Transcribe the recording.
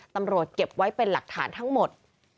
ตำรวจเก็บไว้เป็นหลักฐานทั้งหมด